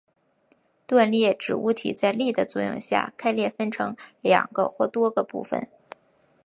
断裂指物体在力的作用下开裂分离成两个或多个部分。